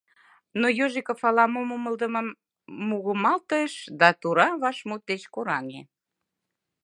Но Ежиков ала-мом умылыдымым мугыматыш да тура вашмут деч кораҥе.